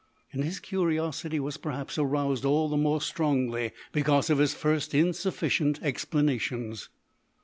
And his curiosity was, perhaps, aroused all the more strongly because of his first insufficient explanations.